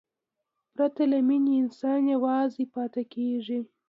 پرته له مینې، انسان یوازې پاتې کېږي.